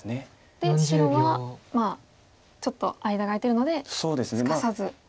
で白はちょっと間が空いているのですかさず入ったと。